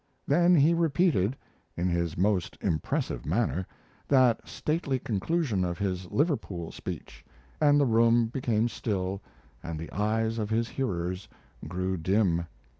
Then he repeated, in his most impressive manner, that stately conclusion of his Liverpool speech, and the room became still and the eyes of his hearers grew dim.